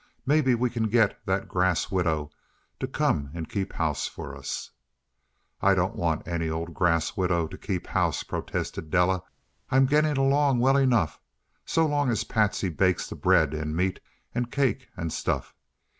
"Maybe we can get that grass widow to come and keep house for us." "I don't want any old grass widow to keep house," protested Della. "I'm getting along well enough, so long as Patsy bakes the bread, and meat, and cake, and stuff.